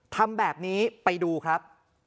ทำแบบนี้ไปดูครับ